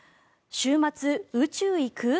週末、宇宙行く？